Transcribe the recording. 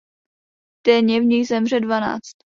Denně z nich zemře dvanáct.